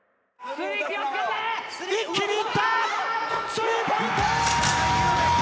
スリーポイント！